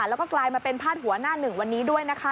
แล้วก็กลายมาเป็นพาดหัวหน้าหนึ่งวันนี้ด้วยนะคะ